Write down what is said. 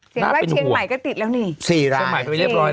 สิงว่าเชียงใหม่ก็ติดแล้วต่าง